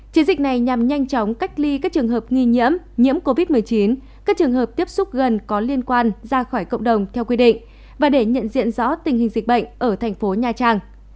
chiến dịch này nhằm nhanh chóng cách ly các trường hợp nghi nhiễm nhiễm covid một mươi chín các trường hợp tiếp xúc gần có liên quan ra khỏi cộng đồng theo quy định và để nhận diện rõ tình hình dịch bệnh ở thành phố nha trang